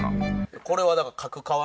これはだから。